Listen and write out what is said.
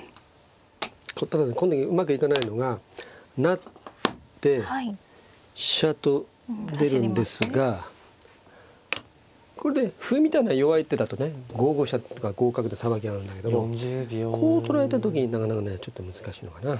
ただね今度うまくいかないのが成って飛車と出るんですがこれで歩みたいな弱い手だとね５五飛車とか５五角でさばきがあるんだけどもこう取られた時になかなかねちょっと難しいのかな。